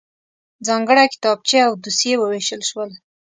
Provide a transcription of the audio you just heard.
ځانګړی کتابچې او دوسيې وویشل شول.